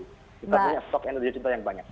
kita punya stok energi kita yang banyak